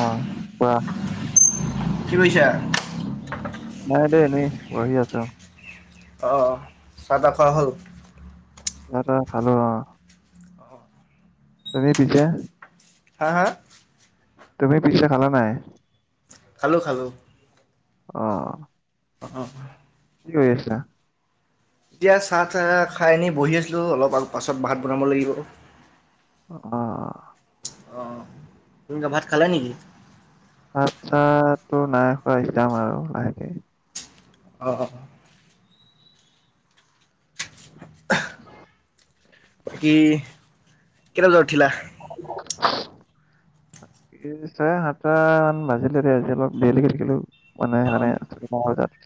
অ কোৱা কি কৰিছা? নাই দেই এনেই বহি আছোঁ। অ'-অ' চাহ তা খোৱা হ'ল? ভাত অ খালো অ, তুমি পিছে? হা হা। তুমি পিছে খালা নাই? খালোঁ খালোঁ। অ' অ'-অ' কি কৰি আছা? এতিয়া চাহ চাহ খাই আনি বহি আছিলোঁ অলপ পাছত ভাত বনাব লাগিব। অ'-অ' অ' তুমি কি ভাত খালা নেকি? ভাত চাতটো নাই খোৱা সিজাম আৰু লাহেকে। অ'-অ' বাকী, কেইটা বজাত উঠিলা? এই চাৰে সাতটা মান বাজিলে দে, আজি অলপ দেৰিলৈকে থাকিলোঁ। হোৱা নাই হোৱা অ', নাই মংগলদৈত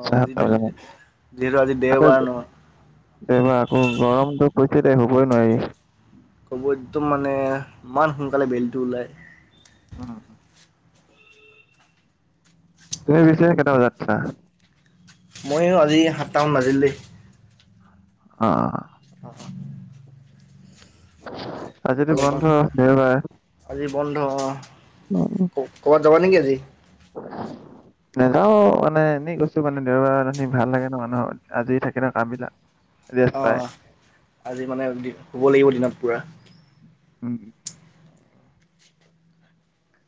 অ' আজিতো যিহেতু আজি দেওবাৰ নহয়। দেওবাৰ আকৌ গৰমটো হৈছে শুৱই নোৱাৰি। ক'ব একদম মানে ইমান সোনকালে বেলিটো ওলায়। [unintelligible] তুমি পিছে কেইটা বজাত উঠা? ময়ো আজি সাতটামান বাজিল দেই। অ' অ অ। আজিতো অলপমান বন্ধ দেওবাৰ। আজি বন্ধ অ' ক-ক'বাত যাবা নেকি আজি? নাযাওঁ মানে এনেই কৈছোঁ মানে দেওবাৰে ভাল লাগে ন' মানুহৰ, আজৰি থাকে ন' কাম বিলাক। ৰেষ্ট পায় অ' আজি মানে শুৱ লাগিব দিনত পুৰা। উম।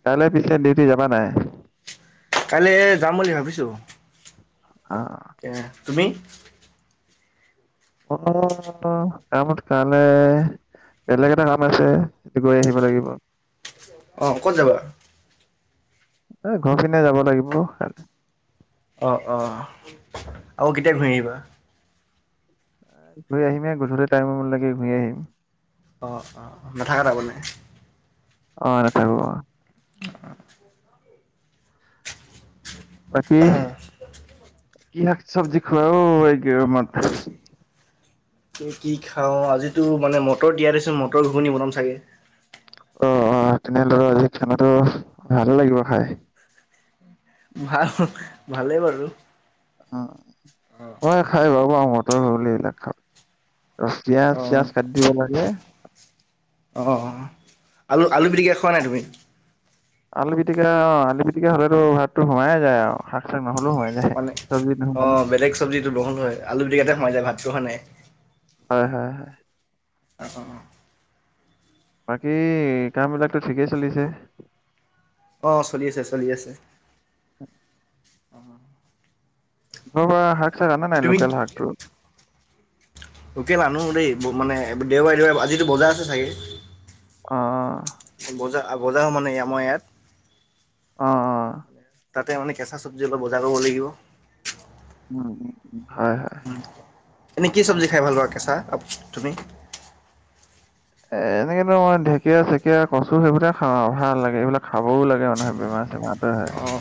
কাইলৈ পিছে ডিউটি যাবা নাই? কালি যাম বুলি ভাবিছোঁ। অ। [unintelligible] তুমি? [unintelligible] কামত কাইলে বেলেগ এটা কাম আছে, গৈ আহিব লাগিব। অ, ক'ত যাবা? এ ঘৰ পিনে যাব লাগিব। [unintelligible] অঁ অঁ আও কেতিয়া ঘুৰি আহিবা ঘূৰি আহিমে গধূলী টাইম মানৰলেকে ঘূৰি আহিম অঁ অ নাথাকা তামানে অ নাথাকো অ [unintelligible] বাকী কি শাক চব্জি খুৱা অ [unintelligible] এ কি খাও আজিতো মানে মটৰ তিয়াই থৈছো মটৰ ঘুগুনী বনাম চাগে অ অ তেনেহলে আজি খানাটো ভালে লাগিব খাই ভাল ভালেই বাৰু উ অঁ মই খাই বাও পাও মটৰ ঘুগুনী এইবিলাক খাও ৰচ পিয়াজ অঁ চিয়াজ কাটি দিব লাগে অঁ অ আলু আলু পিটিকা খোৱা নাই তুমি আলু পিটিকা অ আলু পিটিকা হ'লেতো ভাতটো সোমাই যায় আও শাক চাক নহলেও সোমাই যায় মানে চব্জিত অ নোসোমালে বেলেগ চব্জিতো বহুত হয় আলু ষিটিকাতে সোমাই যায় ভাতটো হয় নাই হয় হয় হয় অ অ বাকী কাম বিলাকতো ঠিকেই চলিছে অ চলি আছে চলি আছে ঘৰপা শাক চাক আনা নাই লোকেল শাকটো গোটেই মানুহ দেই মানে দেওবাৰে দেওবাৰে আজিতো বজাৰ আছে চাগে অ অ বজা মানে আমৰ ইয়াত অ অ তাতে মানে কেঁচা চব্জি অলপ বজাৰ কৰিব লাগিব [inaudible] হয় - হয়। এনে কি চব্জি খাই ভাল পোৱা কেঁচা তুমি? এ এনেকেতো মই ঢেকীয়া-চেকিয়া, কচু সেইবিলাক খাওঁ। ভাল লাগে। এইবিলাক খাবও লাগে মানুহে বেমাৰ - চেমাৰ আতৰে হয় অঁ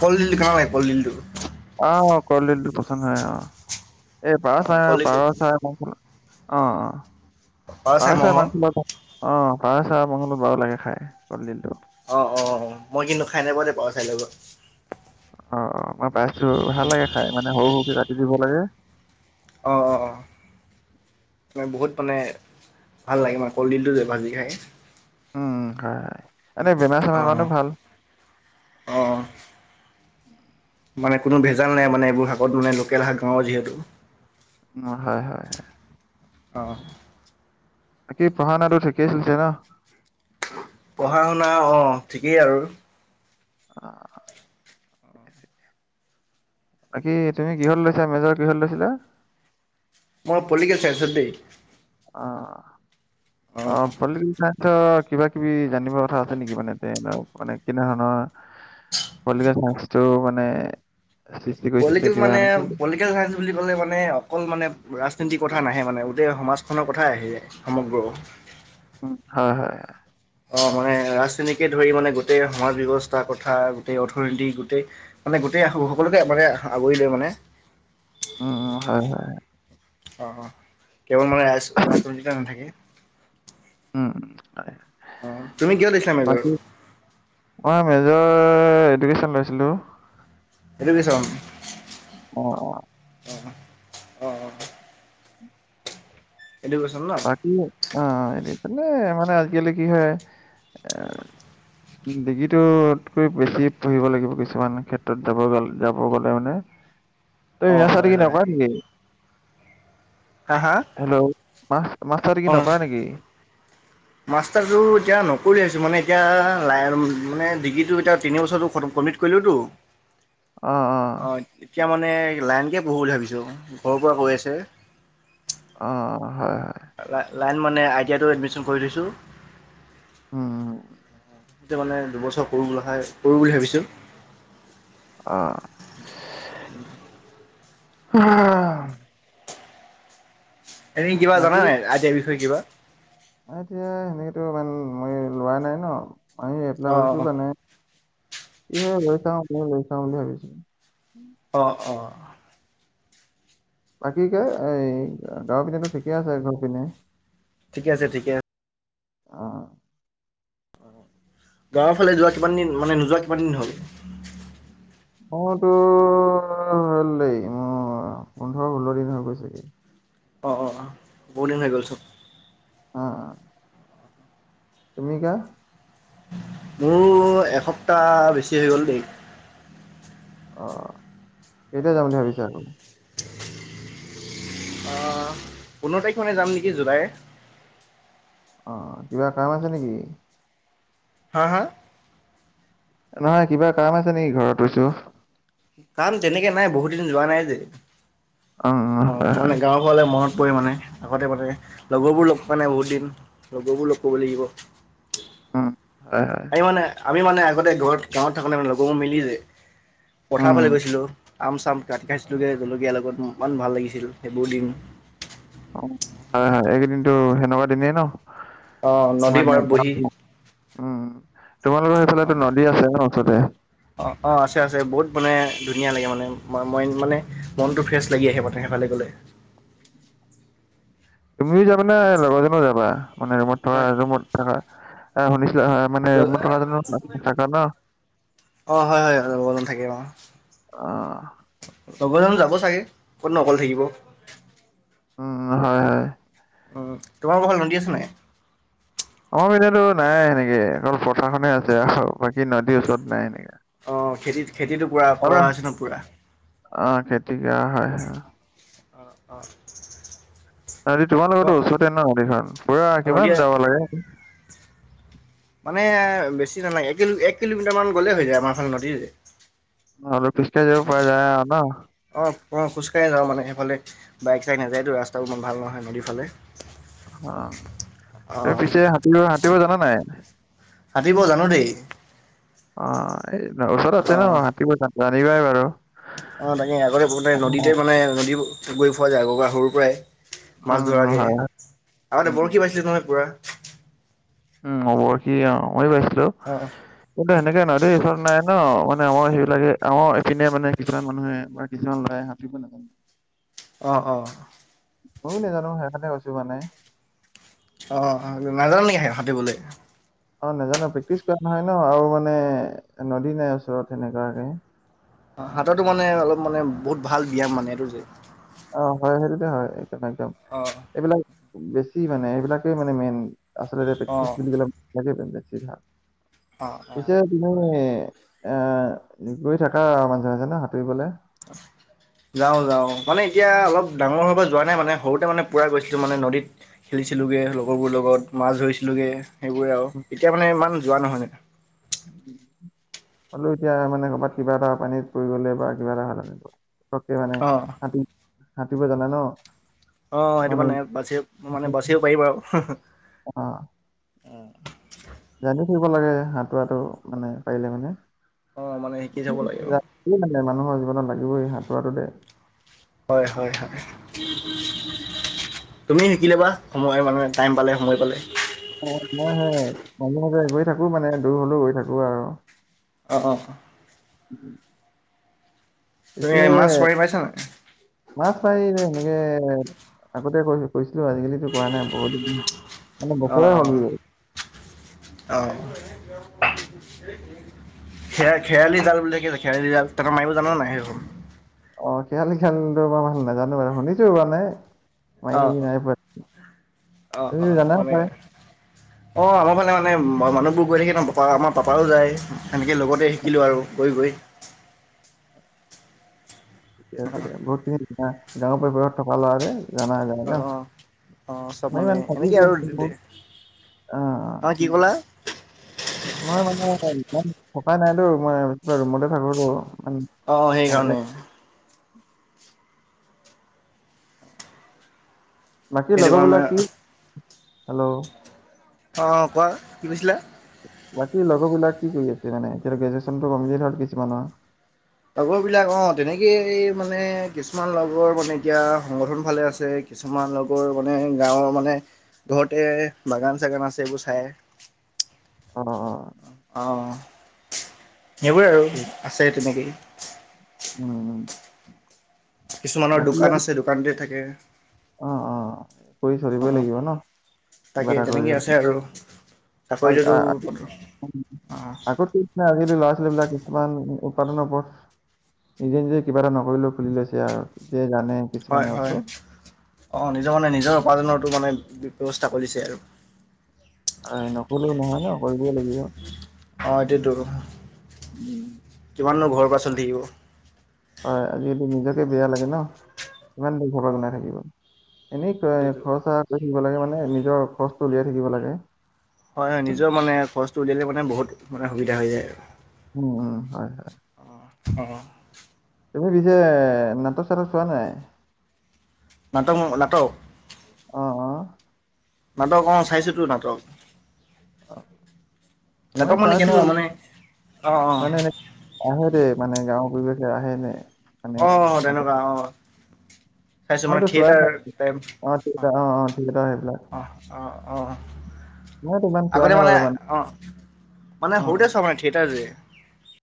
কলডিল খাও এ কলডিলটো অহ কলডিলটো পচন্দ হয় অহ এই পাৰ অ' চৰাই কলডিলটো পাৰ চৰাই অ অ পাৰ চৰাই মঙহ অ পাৰ চাৰাই মঙহৰ লগত বাও লাগে খাই কলডিল টো অ অ মই কিন্তু খাই নাই পোৱা দেই পাঅ চৰাই লগত অ মই পাইছো ভাল লাগে খাই মানে সৰু সৰুকে কাটি দিব লাগে অঁ অঁ অঁ অ বহুত মানে ভাল লাগে ন কলডিলটো যে ভাজি খায় উম হয় হয় এনেই বেমাৰ চেমাৰ অ' কাৰণেও ভাল অ' মানে কোনো ভেজাল নাই মানে এইবোৰ শাকত মানে লোকেল শাক গাঁৱৰ যিহেতু উ হয় হয় হয় অহ বাকী পঢ়া শুনাটো ঠিকেই চলিছে ন পঢ়া শুনা অঁ ঠিকেই আৰু অহ বাকী তুমি কিহত লৈছা মেজৰ কিহত লৈছিলা? মই পলটিকেল চাইন্সত দেই। অ অ ফলটিকেল চাইঞ্চ ছ কিবা কিবি জানিব কথা আছে নিকি? মানে [unintelligible] মানে কেনে ধৰণৰ পলটিকেল চাইন্সটো মানে সৃষ্টি কৰিছিলে পলিকেল কিবা মানে এনেকে পলটিকেল চাইন্স বুলি কলে মানে অকল মানে ব্ৰাছ সে ঞ্চি কথা নাহে মানে গোটেই সমাজখনৰ কথাই আহি জাই সমগ্ৰ। [inaudible] হয় - হয়। অ' মানে ৰাজনীতিকে ধৰি মানে গোটেই সমাজ ব্যৱস্থা কথা, গোটেই অৰ্থনীতি, গোটেই- মানে গোটে এয়া স- সকলোকে মানে আ- আগুৰিলে মানে উম - উম, হয় - হয়। অ' - অ' কেৱল মানে ৰাইচ- ৰাজদণ্ডিতা নাথাকে। উম - উম, হয়। অঁ তুমি কিয় লৈছিলা মেজৰ বাকি মই তো এডুকেশ্বন লৈছিলোঁ। এডুকেশ্বন। অ' - অ'। অ' - অ'। ন বাকী অ' এনে মানে- মানে আজিকালি কি হয় এ ডিগ্ৰীটোতকৈ বেছি পঢ়িব লাগিব কিছুমান ক্ষেত্ৰত যাব গ'ল- যাব গ'লে মানে। [unintelligible] তই হয় [unintelligible] হয় নকৰা নিকি? হা - হা? মাষ- মাষ্ট্ৰাৰ ডিগ্ৰী অঁ নকৰা নেকি? মাষ্টাৰটো এতিয়া নকৰোঁ ভাবিছোঁ। মানে এতিয়া লাইন- মানে ডিগ্ৰীটো এতিয়া তিনি বছৰটো খতম মিত কৰিলোতো। অ' এতিয়া মানে লাইনকে পঢ়োঁ বুলি ভাবিছোঁ। ঘৰৰ পৰা কৈ আছে। অ' হয় হয়। লা- লাইন মানে আইটিয়াইটো এডমিশন কৰি লৈছোঁ। উম। তে মানে দুবছৰ কৰোঁ বোলা খাই, কৰো বুলি ভাবিছোঁ। অ'। এনে কিবা জান বাকী নাই আ-ইয়াৰ বিষয়ে কিবা? এতিয়া সেনেকেতো ইমান মই লোৱা নাই ন মানে এপ্লাই অঁ কৰিছো অঁ মানে। এ লৈ চাওঁ মই লৈ চাওঁ বুলি ভাবিছো। অ' - অ'। বাকী কে এই অ'- গাঁৱৰ পিনেতো ঠিকেই আছে ঘৰ পিনে ঠিকে আছে ঠিকে অ'। গাঁৱৰ ফালে যোৱা কিমান দিন- মানে নোযোৱা কিমান দিন হ'ল? ঘৰতো হ'ল দে উ অ' পোন্ধৰ - ষোল্ল দিন হৈ গৈছেগে। অ' - অ' - অ', বহুদিন হৈ গ'ল চোন। অ' - অ'। তুমি কা? মোৰো এসপ্তাহ বেছি হৈ গ'ল দেই। অ'। কেতিয়া যাম বুলি ভাবিছা আকৌ? অ'- পোন্ধৰ তাৰিখ মানে যাম নেকি জুলাইৰ। অ' কিবা কাম আছে নেকি? হা - হা? নহয়, কিবা কাম আছে নেকি ঘৰত কৈছোঁ। কাম তেনেকে নাই, বহুত দিন যোৱা নাই যে। অ' হয় মানে হয় গাঁওৰ ঘৰলে মন পৰিমাণে, আগতে মানে। লগৰবোৰ লগ পোৱা নাই বহুত দিন। লগৰবোৰ লগ পাব লাগিব। উম, হয় - হয়। আমি মানে আমি মানে আগতে ঘৰত- গাঁৱত থাকোঁতে মানে লগৰবোৰ মিলি যে, পথাৰৰ উম ফালে গৈছিলোঁ। আম-চাম কাটি খাট খাইছিলোগে, জলকীয়াৰ লগত ইমান ভাল লাগিছিল সেইবোৰ দিন। অ' হয় - হয়, এইকেইদিনতো সেনেকুৱা দিনেই ন'। অ নদী মানে পাৰত বহি উম তোমালোকৰ অ' সেইফালেটো নদী আছে ন ওচৰতে অ অ আছে আছে বহুত মানে ধুনীয়া লাগে মানে মা মইন্ড মানে মনটো ফ্ৰেছ লাগি আহে মথ ভালে গ'লে তুমিও যাবানে লগৰজনো যাবা মানে ৰুমত থকা ৰুমত থকা আ শুনিছ অ মানে ৰুমত থাকাজনঅ থাকা ন অ হয় হয় হয় লগজন থাকে অ অহ, লগজন যাব যাব চাগে ক'ত নো অকলে থাকিব উম হয় হয় উম তোমালোকৰ ফালে নদী আছে নাই আমাৰ পিনেটো নাই এনেকে অকল পথাৰখনে আছে বাকী নদীৰ ওচৰত নাই সেনেকা অ খেতি খেতিটো পুৰা কৰা হৈছে ন পুৰা অ খেতি কৰা হয় অ অ অ এটো তোমালোকৰ টো ওচৰতে ন নদীখন পুৰা অ', নদীয়ে কিমান যাব লাগে মানে বেছি নালাগে এক এক কিলোমিটাৰ মান গ'লে হৈ যায় আমাৰ ফালে নদী অলপ খোজকাঢ়ি যাব পৰা যায় আৰু ন? অ অ অ খোজ কাঢ়ি যাওঁ মানে সেইফালেই বাইক চাইক নাযায়তো ৰাস্তাও ইমান ভাল নহয় নদীৰ ফালে অ ত অ', পিছে সাতব সাতুৰিব জানা নাই সাতুইব জানো দেই অ এই ওচৰতে আছে ন অ'। সাতুৰিব জানিবাই বাৰু অ তাকে আগতে সৰুতে নদীতে মানে নদী গৈ পোৱা যাই সৰুৰ পৰাই মাছ উম, ধৰাগে হয়। আগতে উম। বৰশী বাইছিলো নহয় পুৰা উম হ'ব সি অ মই বাইছিলো অ', কিন্তু সেনেকে নদী ওচ নাই ন মানে আমাৰ সেইবিলাকে আমাৰ এপিনে মানে কিছুমান মানুহে বা কিছুমান ল'ৰাই সাতুইব নাজানে [inaudible] অঁ অঁ। ময়ো নেজানো সেইকাৰণে কৈছো মানে। অঁ অ নাজান নেকি সাঁতুৰিবলৈ? অ নাজানো প্ৰেক্টিচ কৰা নহয় ন আৰু মানে নদী নাই ওচৰত সেনেকুৱাকে সাতোৰা টো মানে অলপ মানে বহুত ভাল ব্যয়াম মানে এইটো যে অ হয় সেইটোতে হয় একদম একদম অ'। অ এইবিলাক বেছি মানে এইবিলাকেই মানে মেইন আচলতে অ', প্ৰেকটিছ্ অ', বুলিবলে [unintelligible] নাই অ', পিছে তুমি হয়, হয়। অ গৈ থাকা আ মাজে মাজে ন সাঁতুৰিবলে [unintelligible] যাওঁ যাওঁ মানে এতিয়া অলপ ডাঙৰ হোৱাৰ পৰা যোৱা নাই মানে সৰুতে মানে পুৰা গৈছিলো মানে নদীত খেলিছিলোগে লগৰবোৰ লগত মাছ ধৰিছিলোগে সেইবোৰে আৰু এতিয়া মানে ইমান যোৱা নহয় মানে [unintelligible] হ'লৌ এতিয়া মানে কবাত কিবা এটা পানীত পৰি গ'লে বা কিবা এটা হলে পতকে মানে অ', সাতু সাতুৰিব জানা ন অ অ সেইটো মানে বাচি মানে বাচিব পাৰিবা আৰু অ' অঁ জানি থব লাগে সাতুৰাটো মানে পাৰিলে মানে অ', মানে শিকি থ'ব লাগে আৰু [unintelligible] মানুহৰ জীৱনত লাগিবই সাঁতোৰাটো দে হয় হয় হয় তুমি শিকিলে লবা সময় মানে টাইম পালে সময় পালে অ মই সে মানুহতে গৈ থাকো মানে দূৰ হলেও গৈ থাকো আৰু অ অহ [unintelligible] তুমি পিছে মাছ মাৰি পাইছা নাই মাছ মাৰি প সনেকে আগতে কৈছো কৈছিলো আজিকালি কৈ পোৱা নাই বহুত দিন [inaudible] [unintelligible] অঁ [unintelligible] খে খেয়ালি জাল বুলি কৈছে খেয়ালি জাল তহঁতে মাৰিব জানো নাই সেইবোৰ? অ খেয়ালি জালটো বাৰু নাজানো বাৰু শুনিছো মানে, মাৰি অ', নাইপোৱা। অ অ মানে অঁ আমাৰ ফালে মানে মানুহবোৰ গৈ থাকে ন, পাপা আমাৰ পাপাও যায় সেনেকৈ লগতে শিকিলোঁ আৰু গৈ গৈ ঠিকে আছে দে বহুত খিনি [unintelligible] গাঁৱৰ পৰিৱেশত থকা ল অ অ অ চব মই মানে ইমান থাকি এনেকে আৰু বহুত জিন্দেগী অ হয়, কি ক'লা? মই মানে ইমান থকাই নাইতো মই ৰুমতে থাকোতো। ইমান অ অ ভালকে সেইকাৰণে বাকী সেইটো কাৰণে লগৰবিলাক কি? হেল্ল' অ অ কোৱা কি কৈছিলা? বাকী লগৰবিলাক কি কৰি আছে মানে এতিয়া গ্ৰেজুৱেশ্যনটো কমপ্লিট হল কিছুমানৰ। লগৰবিলাক অ তেনেকে এই মানে কিছুমান লগৰ মানে এতিয়া সংগঠন ফালে আছে। কিছুমান লগৰ মানে গাঁৱৰ মানে ঘৰতে বাগান-চাগান আছে এইবোৰ চাই। [inaudible] অ অ অঁ সেইবোৰে আৰু ঠিক আছে তেনেকেই উম কিছুমানৰ বাকী দোকান আৰু আছে দোকানতে থাকে অ অ কৰি অ চলিবই লাগিব ন কিবা তাকে এটা কৰি তেনেকে হলেও আছে আৰু আ চাকৰিটোতো [unintelligible] অঁ [unintelligible] বিলাক কিছুমান উৎপাদনৰ পথ নিজে নিজে কিবা এটা নকৰিলেও খুলি লৈছে আৰু জানে হয় কিছুমানে হয় আছো অঁ নিজৰ মানে নিজৰ উপাৰ্জনৰটো মানে ব্যৱস্থা কৰিছে আৰু হয় নকলেও নহয় ন কৰিবই লাগিব অঁ এইটোৱেতো উম, কিমান নো ঘৰৰ পৰা চলি থাকিব হয় আজিটো নিজকে বেয়া লাগে ন কিমান নো [unintelligible] বনাই অঁ থাকিব এনেই এইটোতো খৰচা কৰি থাকিব লাগে মানে নিজৰ খৰচটো উলিয়াই থাকিব লাগে হয় হয় নিজৰ মানে খৰচটো উলিয়ালে মানে বহুত মানে সুবিধা হৈ যায় আৰু উম উম হয় হয়। অঁ তুমি পিছে নাটক-চাটক চোৱা নাই? নাট নাটক অ অ নাটক অঁ চাইছো তো নাটক অ'। মই নাটক মানে চাইছিলো কেনেকুৱা মানে অঁ অঁ মানে এনে আহে দে মানে গাওঁৰ পৰিৱেশ [unintelligible] আহে নাই? অ অ তেনেকুৱা অঁ চাইছো মানে মইতো চোৱাই থিয়েটাৰ নাই টাইম অ, অ অ অ মইতো ইমান চোৱা আগতে নাই মানে, বাৰু অঁ মানে অ অ সৰুতে চোৱা মানে থিয়েটাৰ যে